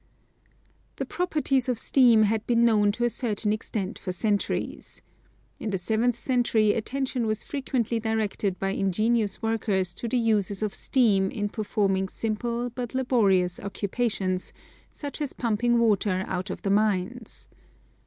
The properties of steam had been known to a certain extent for centuries. In the seventeenth century attention was frequently directed by ingenious workers to the uses of steam in performing simple but laborious occupations, such as pumping water out of the mines.